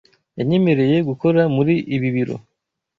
Yanyemereye gukora muri ibi biro.